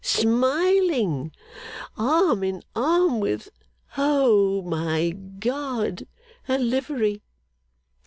smiling! arm in arm with O my God, a livery!